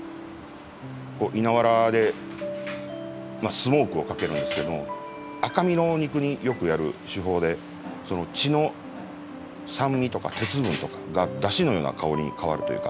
稲藁でスモークをかけるんですけども赤身のお肉によくやる手法で血の酸味とか鉄分とかが出汁のような香りに変わるというか。